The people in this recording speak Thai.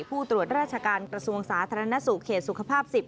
ผู้ตรวจราชการกระทรวงสาธารณสุขเขตสุขภาพ๑๐